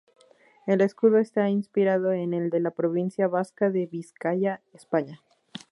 El escudo está inspirado en el de la provincia vasca de Vizcaya, España.